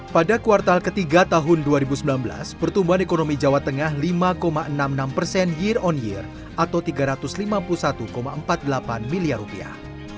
pada kuartal ketiga tahun dua ribu sembilan belas pertumbuhan ekonomi jawa tengah lima enam puluh enam persen year on year atau tiga ratus lima puluh satu empat puluh delapan miliar rupiah